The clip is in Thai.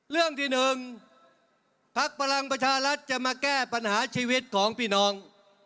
เรื่องที่๑พักพลังประชารัฐจะมาแก้ปัญหาชีวิตของพี่น้อง